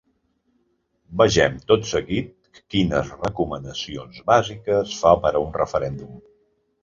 Vegem tot seguit quines recomanacions bàsiques fa per a un referèndum.